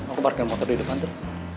aku pakai motor di depan tuh